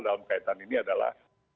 dalam kaitan ini adalah